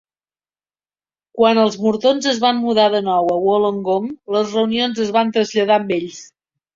Quan els Mortons es van mudar de nou a Wollongong, les reunions es van traslladar amb ells.